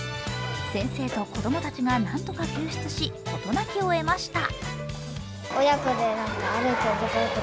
先生と子供たちが何とか救出し事なきを得ました。